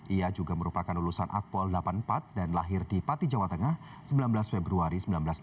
ia juga merupakan lulusan akpol delapan puluh empat dan lahir di pati jawa tengah sembilan belas februari seribu sembilan ratus enam puluh